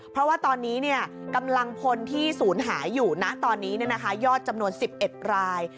เพราะตอนนี้กำลังพนศ์ที่ศูนย์หายอยู่ยอดจำนวน๑๑ราย